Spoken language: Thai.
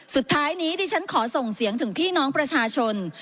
สุดท้ายนี้ดิฉันขอส่งเสียงถึงพี่น้องประชาชน